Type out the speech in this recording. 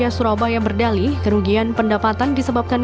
taman remaja surabaya berdali kerugian pendapatan disebabkan